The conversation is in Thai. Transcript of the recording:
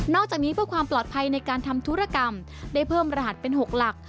อกจากนี้เพื่อความปลอดภัยในการทำธุรกรรมได้เพิ่มรหัสเป็น๖หลัก